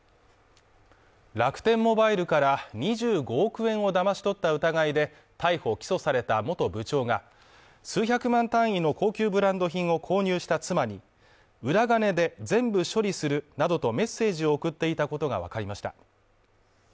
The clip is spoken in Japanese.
楽天モバイルから２５億円をだまし取った疑いで逮捕・起訴された元部長が数百万単位の高級ブランド品を購入した妻に裏金で全部処理するなどとメッセージを送っていたことがわかりました。